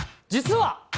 実は。